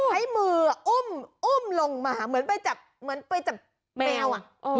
ให้มืออุ่มลงมาเหมือนใบจับแมว